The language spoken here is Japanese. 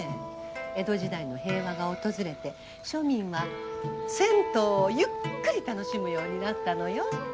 江戸時代の平和が訪れて庶民は銭湯をゆっくり楽しむようになったのよ。